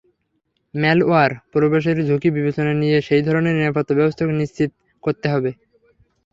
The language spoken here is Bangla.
ম্যালওয়্যার প্রবেশের ঝুঁকি বিবেচনায় নিয়ে সেই ধরনের নিরাপত্তাব্যবস্থা নিশ্চিত করতে হবে।